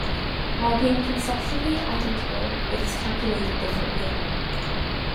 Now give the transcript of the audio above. While being conceptually identical, it is calculated differently.